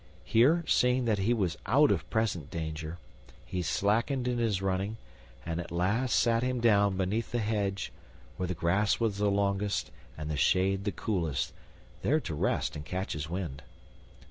Here, seeing that he was out of present danger, he slackened in his running, and at last sat him down beneath a hedge where the grass was the longest and the shade the coolest, there to rest and catch his wind.